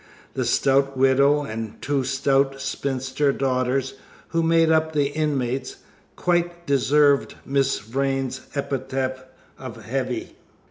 The stout widow and two stout spinster daughters, who made up the inmates, quite deserved Mrs. Vrain's epithet of "heavy."